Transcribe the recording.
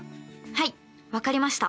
はい分かりました。